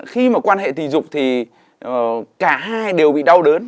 khi mà quan hệ tình dục thì cả hai đều bị đau đớn